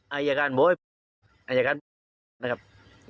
อายการบ่อยอายการบ่อย